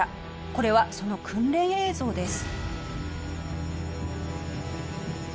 これはその訓練映像です。